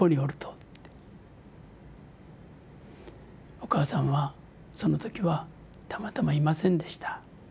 お母さんはその時はたまたまいませんでした。